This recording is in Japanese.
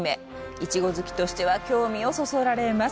イチゴ好きとしては興味をそそられます。